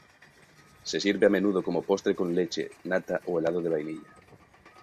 Se sirve a menudo como postre con leche, nata o helado de vainilla.